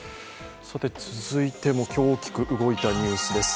続いても今日、大きく動いたニュースです。